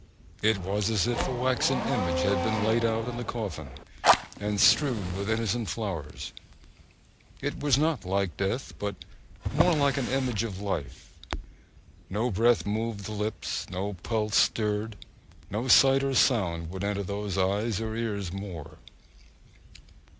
It was as if a waxen image had been laid out in the coffin, and strewed with innocent flowers. It was not like death, but more like an image of life! No breath moved the lips, no pulse stirred, no sight or sound would enter those eyes or ears more.